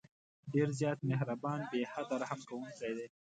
ډېر زیات مهربان، بې حده رحم كوونكى دى.